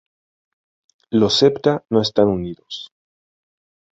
Los septa no están unidos.